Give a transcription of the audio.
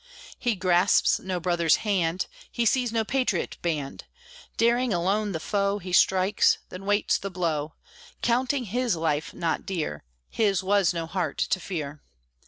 He grasps no brother's hand, He sees no patriot band; Daring alone the foe He strikes then waits the blow, Counting his life not dear, His was no heart to fear!